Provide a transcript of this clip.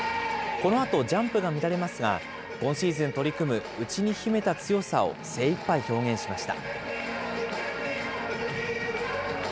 このあと、ジャンプが乱れますが、今シーズン取り組む、内に秘めた強さを精いっぱい表現しました。